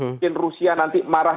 mungkin rusia nanti marah